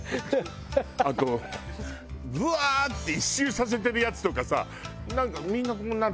あとブワーッて１周させてるやつとかさなんかみんなこうなる。